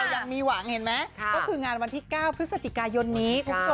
เรายังมีหวังเห็นไหมก็คืองานวันที่๙พฤศจิกายนนี้